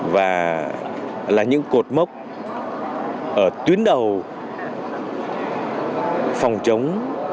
và là những cột mốc ở tuyến đầu phòng chống